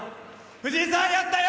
藤井さんやったよ。